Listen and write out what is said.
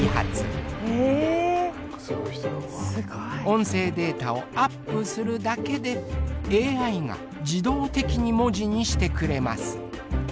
音声データをアップするだけでＡＩが自動的に文字にしてくれます。